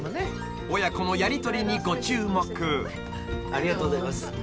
ありがとうございます。